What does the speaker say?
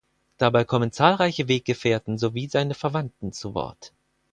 Dabei kommen zahlreiche Weggefährten sowie seine Verwandten zu Wort.